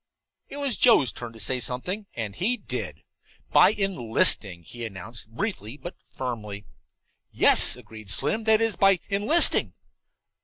It was Joe's turn to say something, and he did. "By enlisting," he announced, briefly but firmly. "Yes," agreed Slim, "that's it, by enlisting."